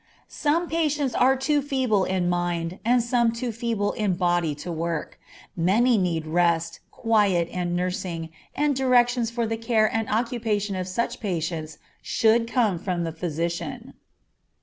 Some patients are too feeble in mind, and some too feeble in body to work; many need rest, quiet, and nursing, and directions for the care and occupation of such patients should come from the physician.